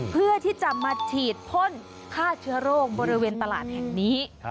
เพื่อที่จะมาฉีดพ่นฆ่าเชื้อโรคบริเวณตลาดแห่งนี้